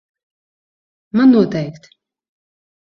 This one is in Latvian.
Man noteikti.